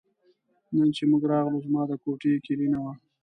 نن چې موږ راغلو زما د کوټې کیلي نه وه.